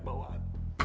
tidak alegera dong